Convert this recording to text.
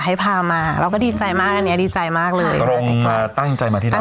ให้พามาเราก็ดีใจมากอันนี้ดีใจมากเลยตั้งใจมาที่นั่น